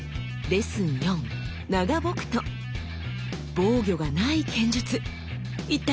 防御がない剣術一体